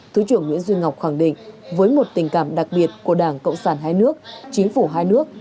thứ trưởng nguyễn duy ngọc khẳng định với một tình cảm đặc biệt của đảng cộng sản hai nước chính phủ hai nước